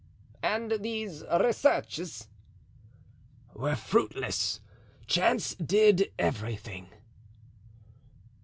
"And these researches?" "Were fruitless; chance did everything."